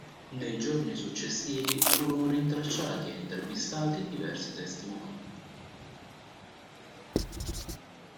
Nei giorni successivi furono rintracciati e intervistati diversi testimoni.